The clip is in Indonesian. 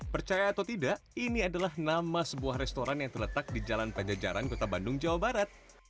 percaya atau tidak ini adalah nama sebuah restoran yang terletak di jalan pajajaran kota bandung jawa barat